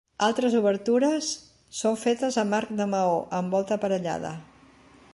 Altres obertures són fetes amb arcs de maó amb volta aparellada.